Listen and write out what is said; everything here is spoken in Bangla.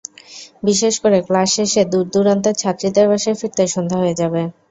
বিশেষ করে ক্লাস শেষে দূরদূরান্তের ছাত্রীদের বাসায় ফিরতে সন্ধ্যা হয়ে যাবে।